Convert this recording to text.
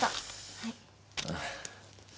はい。